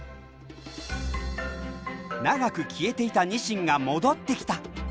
長く消えていたニシンが戻ってきた。